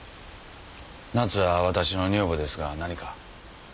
奈津はわたしの女房ですが何か？